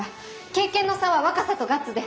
経験の差は若さとガッツで。